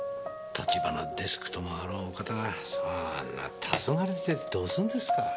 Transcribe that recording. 橘デスクともあろうお方がそんなたそがれててどうすんですか。